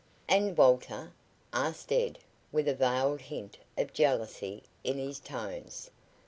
"And Walter?" asked Ed with a veiled hint of jealousy in his tones.